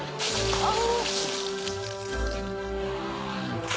ああ！